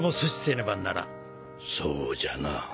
そうじゃな。